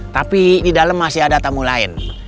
tapi di dalam masih ada tamu lain